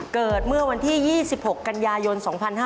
เกิดเมื่อวันที่๒๖กันยายน๒๕๕๙